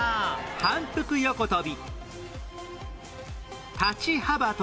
反復横跳び。